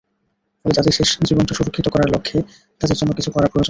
ফলে তাদের শেষ জীবনটা সুরক্ষিত করার লক্ষ্যে তাদের জন্য কিছু করা প্রয়োজন।